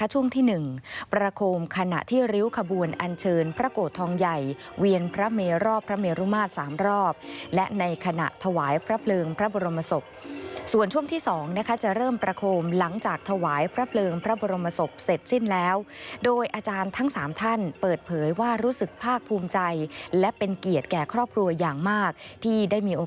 ช่วงที่๑ประโคมขณะที่ริ้วขบวนอันเชิญพระโกรธทองใหญ่เวียนพระเมรอบพระเมรุมาตร๓รอบและในขณะถวายพระเพลิงพระบรมศพส่วนช่วงที่๒นะคะจะเริ่มประโคมหลังจากถวายพระเพลิงพระบรมศพเสร็จสิ้นแล้วโดยอาจารย์ทั้ง๓ท่านเปิดเผยว่ารู้สึกภาคภูมิใจและเป็นเกียรติแก่ครอบครัวอย่างมากที่ได้มีโอ